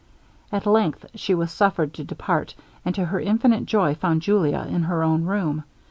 At length she was suffered to depart, and to her infinite joy found Julia in her own room.